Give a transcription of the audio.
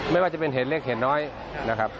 ไม่ว่าจะเป็นเหตุเล็กเหตุน้อยนะครับ